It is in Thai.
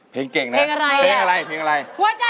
เพลงเก่งนะเพลงอะไร